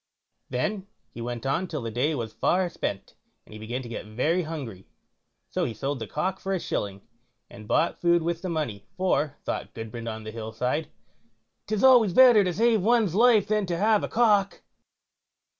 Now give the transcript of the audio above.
Then he went on till the day was far spent, and he began to get very hungry, so he sold the cock for a shilling, and bought food with the money, for, thought Gudbrand on the Hill side, "'Tis always better to save one's life than to have a cock."